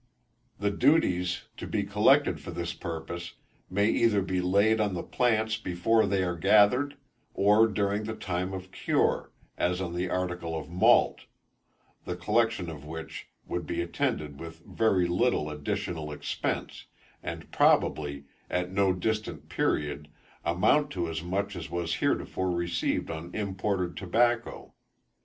The duties to be collected for this purpose may either be laid on the plants before they are gathered, or during the time of cure, as on the article of malt; the collection of which would be attended with very little additional expence, and probably, at no distant period, amount to as much as was heretofore received on imported tobacco.